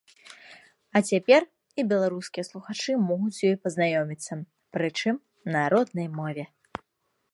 А цяпер і беларускія слухачы могуць з ёй пазнаёміцца, прычым на роднай мове.